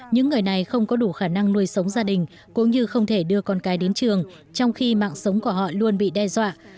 những người này không có đủ khả năng nuôi sống gia đình cũng như không thể đưa con cái đến trường trong khi mạng sống của họ luôn bị đe dọa